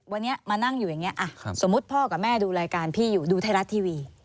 วันนี้มานั่งอยู่อย่างนี้สมมุติพ่อกับแม่ดูรายการพี่อยู่ดูไทยรัฐทีวี